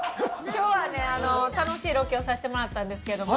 今日はね楽しいロケをさせてもらったんですけれども。